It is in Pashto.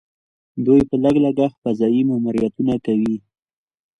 دوی په لږ لګښت فضايي ماموریتونه کوي.